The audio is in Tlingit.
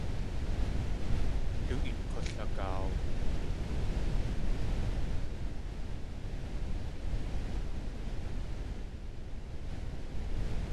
Du een k̲ulagaaw.